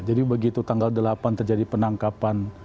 jadi begitu tanggal delapan terjadi penangkapan